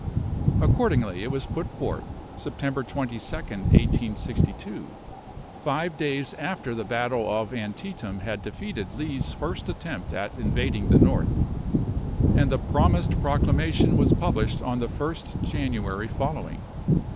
Accordingly, it was put forth September 22nd, 1862 five days after the battle of Antietam had defeated Lee's first attempt at invading the North, and the promised proclamation was published on the 1st January following.